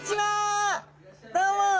どうも。